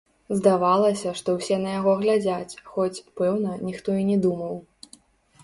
Здавалася, што ўсе на яго глядзяць, хоць, пэўна, ніхто і не думаў.